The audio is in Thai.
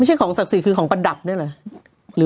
ไม่ใช่ของศักดิ์สิทธิ์คือของประดับนี่หรอ